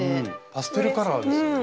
パステルカラーですね。